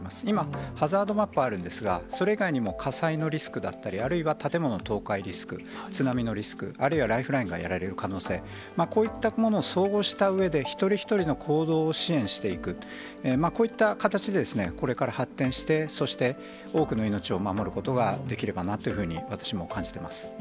今、ハザードマップあるんですが、それ以外にも火災のリスクだったり、あるいは建物の倒壊リスク、津波のリスク、あるいはライフラインがやられる可能性、こういったものを総合したうえで、一人一人の行動を支援していく、こういった形で、これから発展して、そして多くの命を守ることができればなというふうに、私も感じてます。